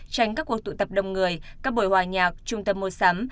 tránh các cuộc tụ tập đông người các buổi hòa nhạc trung tâm mua sắm